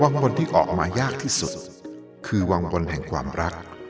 คนที่ออกมายากที่สุดคือวังวลแห่งความรัก